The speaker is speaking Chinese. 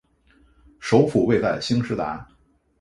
首府位在兴实达。